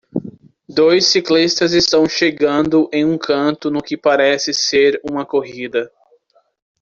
Dois ciclistas estão chegando em um canto no que parece ser uma corrida.